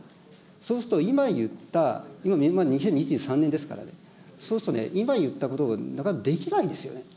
そうすると、今言った、今２０２３年ですからね、そうするとね、今言ったこと、なかなかできないんですよね。